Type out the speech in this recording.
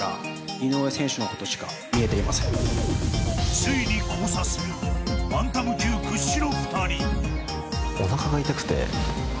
ついに交差するバンタム級屈指の２人。